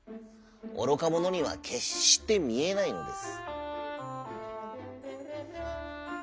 おろかものにはけっしてみえないのです」。